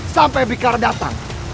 sampai bikar datang